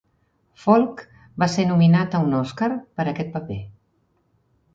Falk va ser nominat a un Òscar per aquest paper.